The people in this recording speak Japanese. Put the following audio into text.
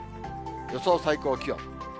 予想最高気温。